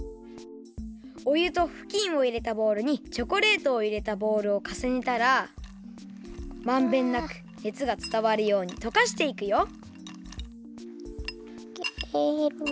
おゆとふきんをいれたボウルにチョコレートを入れたボウルをかさねたらまんべんなくねつがつたわるようにとかしていくよ。